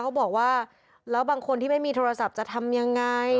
เขาบอกว่าแล้วบางคนที่ไม่มีโทรศัพท์จะทำยังไง